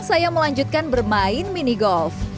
saya melanjutkan bermain mini golf